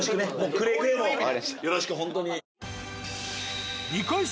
くれぐれもよろしくほんとに。